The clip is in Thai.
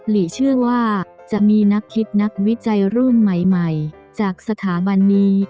หลีเชื่อว่าจะมีนักคิดนักวิจัยรุ่นใหม่จากสถาบันนี้